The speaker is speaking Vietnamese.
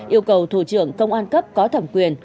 yêu cầu thủ trưởng công an cấp có thẩm quyền